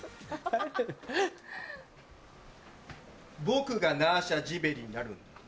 僕がナーシャ・ジベリになるんだ。